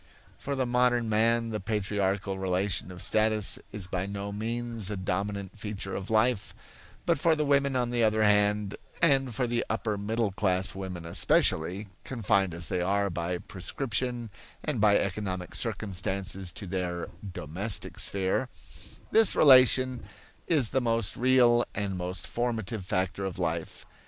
For the modern man the patriarchal relation of status is by no means the dominant feature of life; but for the women on the other hand, and for the upper middle class women especially, confined as they are by prescription and by economic circumstances to their "domestic sphere," this relation is the most real and most formative factor of life.